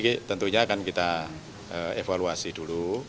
nanti tentunya akan kita evaluasi dulu